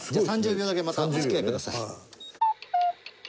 ３０秒だけまたお付き合いください。